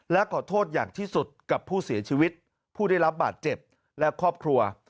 และขอโทษอย่างที่สุดกับผู้เสียชีวิตผู้ได้รับบาดเจ็บและครอบครัว